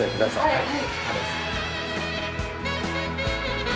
はい。